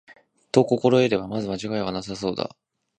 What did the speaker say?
と心得れば、まず間違いはなさそうだ